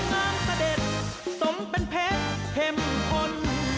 นางเสด็จสมเป็นเพชรเข้มพล